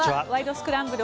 スクランブル」